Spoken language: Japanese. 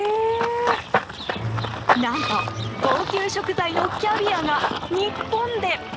何と高級食材のキャビアが日本で。